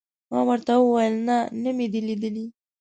ما ورته وویل: نه، نه مې دي لیدلي.